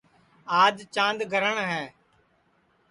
آج چاند گرہٹؔ ہے